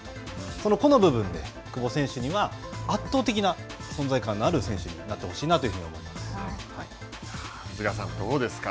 その個の部分で、久保選手には圧倒的な存在感のある選手になって藤川さん、どうですか。